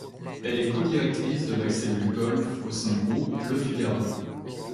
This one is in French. Elle est codirectrice de la cellule golf au sein du groupe Le Figaro.